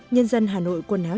nhân dân hà nội quần áo